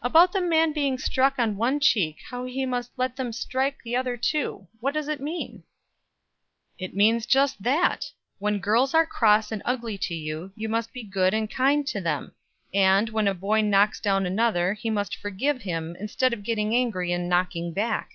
"About the man being struck on one cheek, how he must let them strike the other too. What does it mean?" "It means just that, when girls are cross and ugly to you, you must be good and kind to them; and, when a boy knocks down another, he must forgive him, instead of getting angry and knocking back."